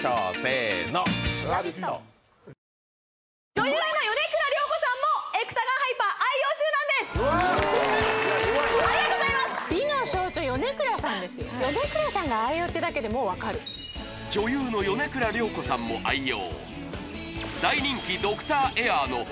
女優の米倉涼子さんもエクサガンハイパー愛用中なんですありがとうございます米倉さんが愛用っていうだけでもう分かる女優の大人気なんですよ